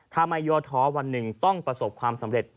ทำไมย่อท้อวันหนึ่งต้องประสบความสำเร็จ